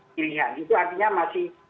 pilihan itu artinya masih